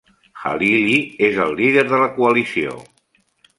Halili és el líder de la coalició.